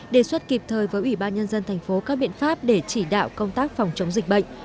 đề xuất kịp thời với ủy ban nhân dân thành phố các biện pháp để chỉ đạo công tác phòng chống dịch bệnh